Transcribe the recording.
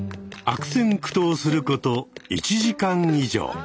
悪戦苦闘すること１時間以上。